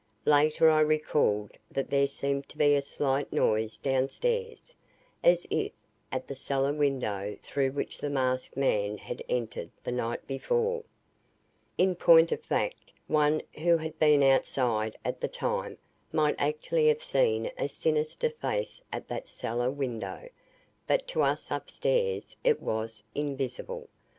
Later I recalled that there seemed to be a slight noise downstairs, as if at the cellar window through which the masked man had entered the night before. In point of fact, one who had been outside at the time might actually have seen a sinister face at that cellar window, but to us upstairs it was invisible.